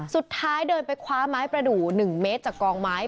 สุดท้ายเดินไปคว้าไม้ประดูก๑เมตรจากกองไม้